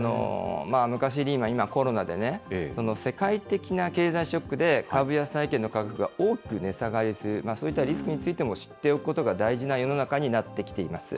昔リーマン、今コロナでね、世界的な経済ショックで、株や債券の価格が大きく値下がりしている、そういったリスクについても知っておくことが大事な世の中になってきています。